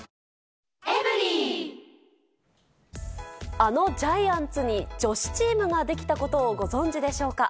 あのジャイアンツに女子チームが出来たことをご存じでしょうか。